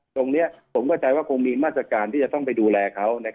ตรงนี้ผมเข้าใจว่าคงมีมาตรการที่จะต้องไปดูแลเขา